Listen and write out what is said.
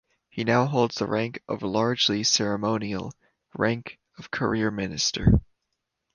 He now holds the rank of largely ceremonial rank of Career Minister.